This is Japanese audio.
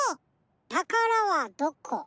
「たからはどこ」。